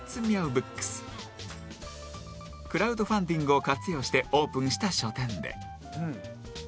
クラウドファンディングを活用してオープンした書店で